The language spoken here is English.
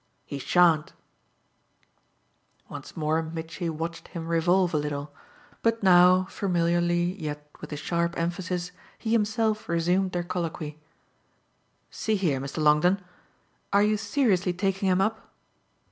"He shan't!" Once more Mitchy watched him revolve a little, but now, familiarly yet with a sharp emphasis, he himself resumed their colloquy. "See here, Mr. Longdon. Are you seriously taking him up?"